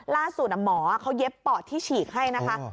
ล่าสุดหมอเขาเย็บปอดที่ฉีกให้นะคะ